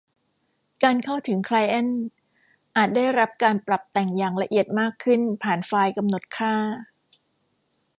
การเข้าถึงไคลเอ็นต์อาจได้รับการปรับแต่งอย่างละเอียดมากขึ้นผ่านไฟล์กำหนดค่า